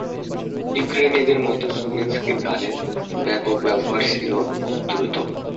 ইউক্রেনীয়দের মধ্যে চুবিনস্কির গানের ব্যাপক ব্যবহার ছিল খুব দ্রুত।